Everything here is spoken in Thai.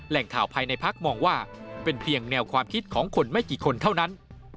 ข่าวภายในพักมองว่าเป็นเพียงแนวความคิดของคนไม่กี่คนเท่านั้น